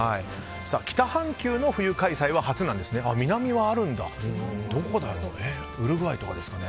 北半球の冬開催は初なんですが南はあるんですね。